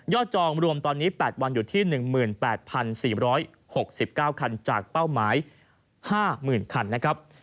จองรวมตอนนี้๘วันอยู่ที่๑๘๔๖๙คันจากเป้าหมาย๕๐๐๐คันนะครับ